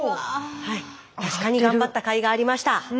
確かに頑張ったかいがありました。